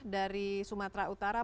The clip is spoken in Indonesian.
dari sumatera utara